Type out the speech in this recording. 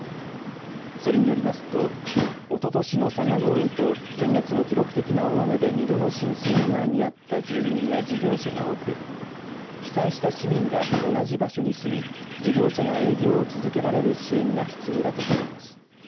それによりますとおととしの佐賀豪雨と先月の記録的な大雨で２度の浸水被害にあった住民や事業者が多く被災した市民が同じ場所に住み事業者が営業を続けられる支援が必要だとしています。